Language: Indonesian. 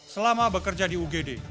selama bekerja di ugd